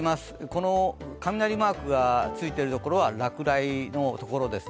この雷マークがついている所は落雷の所です。